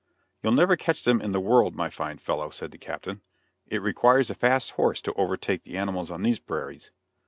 "You'll never catch them in the world, my fine fellow," said the captain. "It requires a fast horse to overtake the animals on these prairies."